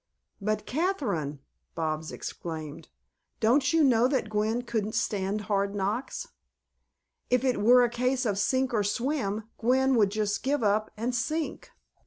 "But, Kathryn!" Bobs exclaimed. "Don't you know that Gwen couldn't stand hard knocks? If it were a case of sink or swim, Gwen would just give up and sink."